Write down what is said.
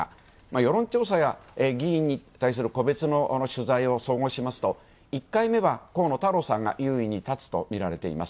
世論調査や議員に対する個別の取材を総合しますと１回目は河野太郎さんが優位に立つとみられています。